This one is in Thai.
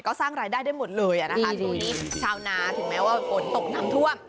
ก็สร้างรายได้ได้หมดเลยอ่ะนะคะช่วงนี้ชาวนาถึงแม้ว่าฝนตกน้ำท่วม